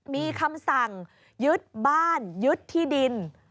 มีคำสั่งยึดบ้านยึดที่ดิน